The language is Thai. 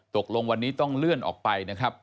ตกลงวันนี้ต้องเลื่อนออกไปนะครับ